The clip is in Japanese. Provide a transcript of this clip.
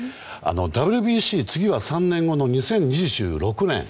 ＷＢＣ次は３年後の２０２６年。